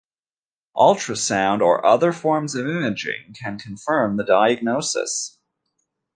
Ultrasound or other forms of imaging can confirm the diagnosis.